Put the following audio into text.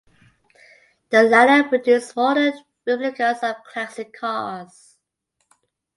The latter produce modern replicas of classic cars.